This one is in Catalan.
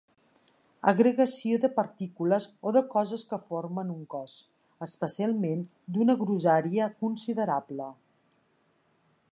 Agregació de partícules o de coses que formen un cos, especialment d'una grossària considerable.